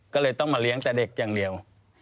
ก็เลยต้องมาเลี้ยงแต่เด็กอย่างเดียว